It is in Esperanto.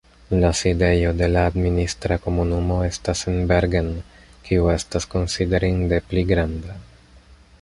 La sidejo de la administra komunumo estas en Bergen, kiu estas konsiderinde pli granda.